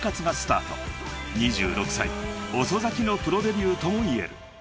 ［２６歳遅咲きのプロデビューともいえる］